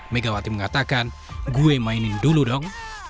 megawati mengatakan gue mainin dulu dong